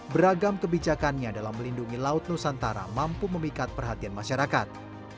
beragam kebijakannya dalam melindungi laut nusantara mampu memikat perhatian masyarakat